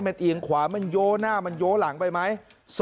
มันเอียงขวามันโยหน้ามันโย้หลังไปไหม